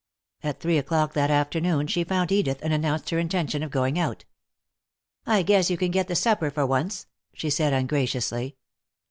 At three o'clock that afternoon she found Edith and announced her intention of going out. "I guess you can get the supper for once," she said ungraciously.